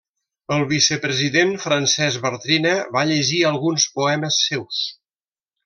El vicepresident, Francesc Bartrina, va llegir alguns poemes seus.